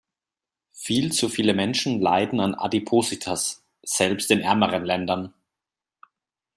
Viel zu viele Menschen leiden an Adipositas, selbst in ärmeren Ländern.